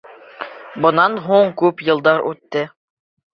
Бынан һуң күп йылдар үтте.